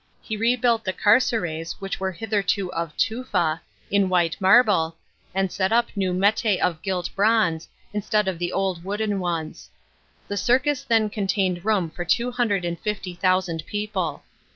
He rebuilt the carceres, which were hitherto of tufa, in white marble, and set up new metas of gilt bronze, instead of the old wooden ones. The circus then con tained room for two hundred and fifty thousand people.